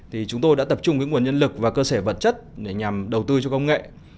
thì chúng tôi đã tập trung cái nguồn nhân lực và cơ sở vật chất để nhằm đầu tư cho công nghệ